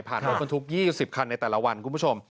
ผ่านบอสเฟิร์นทุกข์๒๐คันในแต่ละวันคุณผู้ชม